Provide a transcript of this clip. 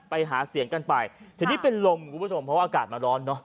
ไปหาเสียงกันไปทีนี้เป็นลมคุณผู้ชมเพราะว่าอากาศมันร้อนเนอะ